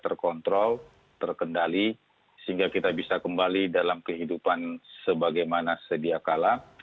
terkontrol terkendali sehingga kita bisa kembali dalam kehidupan sebagaimana sedia kala